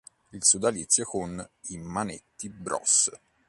Il sodalizio con i Manetti bros.